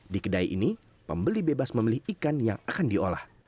di kedai ini pembeli bebas memilih ikan yang akan diolah